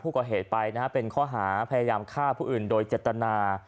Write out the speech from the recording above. ก่อเหตุไปนะฮะเป็นข้อหาพยายามฆ่าผู้อื่นโดยเจตนา